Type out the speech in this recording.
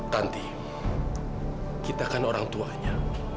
tanti kita kan orang tuanya